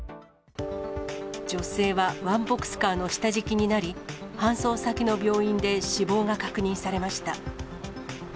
女性はワンボックスカーの下敷きになり、搬送先の病院で死亡が確認されました。